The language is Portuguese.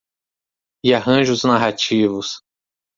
E arranjos narrativos